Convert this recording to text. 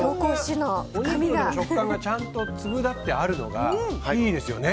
食感がちゃんと粒だってあるのがいいですね。